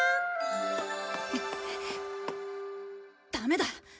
ダメだ！